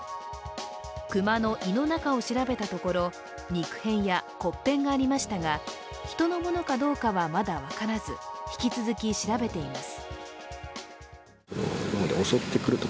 熊の胃の中を調べたところ肉片や骨片がありましたが、人のものかどうかはまだ分からず、引き続き調べています。